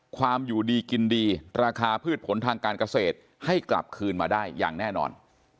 ความอยู่ดีกินดีราคาพืชผลทางการเกษตรให้กลับคืนมาได้อย่างแน่นอน